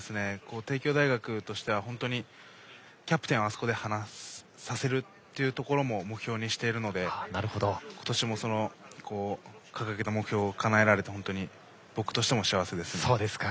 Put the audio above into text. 帝京大学としては本当に、キャプテンをあそこで話させるというのも目標にしているので今年も、その掲げた目標をかなえられて僕としても幸せです。